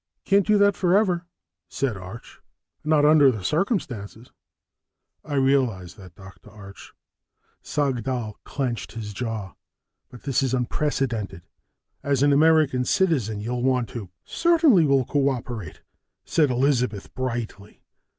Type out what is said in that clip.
"Can't do that forever," said Arch. "Not under the circumstances." "I realize that, Dr. Arch." Sagdahl clenched his jaw. "But this is unprecedented. As an American citizen, you'll want to " "Certainly we'll cooperate," said Elizabeth brightly.